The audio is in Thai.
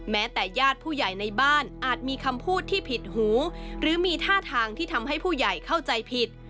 แต่ญาติผู้ใหญ่ในบ้านอาจมีคำพูดที่ผิดหูหรือมีท่าทางที่ทำให้ผู้ใหญ่เข้าใจผิด